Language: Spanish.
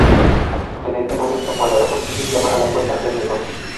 Es en este momento cuando la justicia llama a la puerta del mesón.